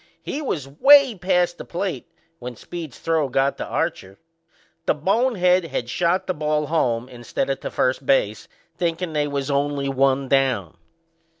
He was way past the plate when Speed's throw got to Archer. The bonehead had shot the ball home instead o' to first base, thinkin' they was only one down.